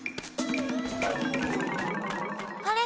あれ？